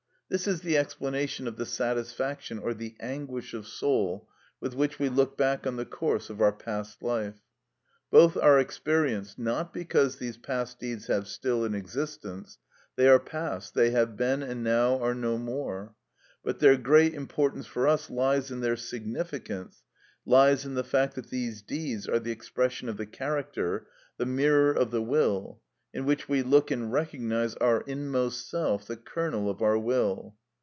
This is the explanation of the satisfaction or the anguish of soul with which we look back on the course of our past life. Both are experienced, not because these past deeds have still an existence; they are past, they have been, and now are no more; but their great importance for us lies in their significance, lies in the fact that these deeds are the expression of the character, the mirror of the will, in which we look and recognise our inmost self, the kernel of our will.